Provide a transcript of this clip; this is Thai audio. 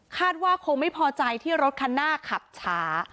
ว่าคงไม่พอใจที่รถคันหน้าขับช้า